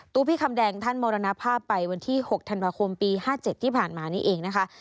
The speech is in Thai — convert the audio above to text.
พี่คำแดงท่านมรณภาพไปวันที่๖ธันวาคมปี๕๗ที่ผ่านมานี่เองนะคะ